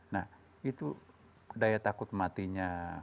nah itu daya takut matinya